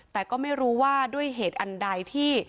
แต่ก็ไม่รู้ว่าด้วยเหตุอันใดที่